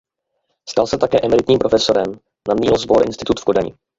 Stal se také emeritním profesorem na Niels Bohr Institute v Kodani.